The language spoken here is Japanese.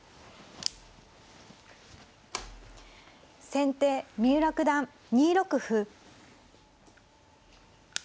先手三浦九段２六歩。